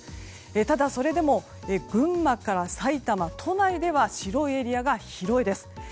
ただそれでも群馬から埼玉、都内では白いエリアが広いです。